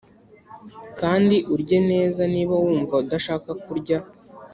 kandi urye neza niba wumva udashaka kurya